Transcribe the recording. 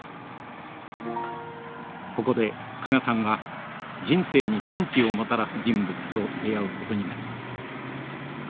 ここで加賀さんは人生に転機をもたらす人物と出会うことになります。